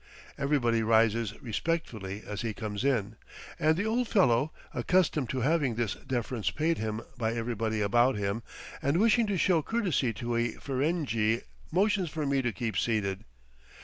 Everybody rises respectfully as he comes in, and the old fellow, accustomed to having this deference paid him by everybody about him, and wishing to show courtesy to a Ferenghi, motions for me to keep seated.